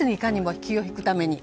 気を引くために。